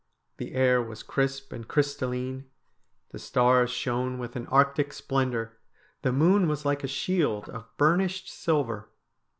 The air was crisp and crystalline, the stars shone with an Arctic splendour, the moon was like a shield of burnished silver.